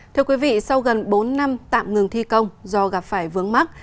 thưa quý vị sau gần bốn năm tạm ngừng thi công do gặp phải vướng mắt